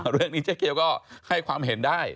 เรื่องนี้เจ๊เกียวก็ให้ความเห็นได้